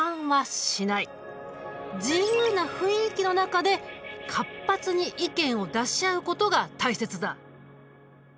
自由な雰囲気の中で活発に意見を出し合うことが大切だ。